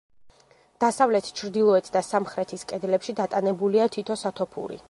დასავლეთ, ჩრდილოეთ და სამხრეთის კედლებში დატანებულია თითო სათოფური.